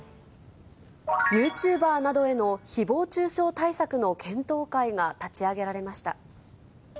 ユーチューバーなどへのひぼう中傷対策の検討会が立ち上げられました。